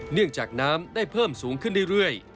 เนื่องจากน้ำได้เพิ่มสูงขึ้นเรื่อย